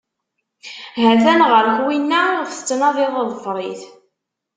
Ha-t-an ɣer-k winna iɣef tettnadiḍ, ḍfer-it.